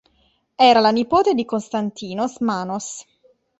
Era la nipote di Konstantinos Manos.